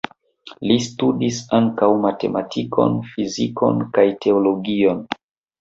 Li studis ankaŭ matematikon, fizikon kaj teologion.